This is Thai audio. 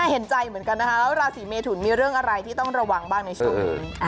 เห็นใจเหมือนกันนะคะแล้วราศีเมทุนมีเรื่องอะไรที่ต้องระวังบ้างในช่วงนี้